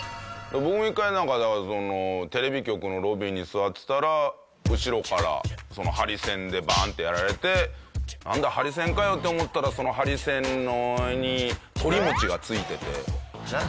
僕も１回だからそのテレビ局のロビーに座ってたら後ろからハリセンでバンッ！ってやられてなんだハリセンかよ！って思ったらそのハリセンにとりもちが付いててみたいな。